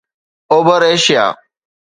اوڀر ايشيا